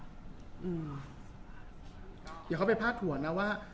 เดี๋ยวเขาไปพาดหัวนะว่า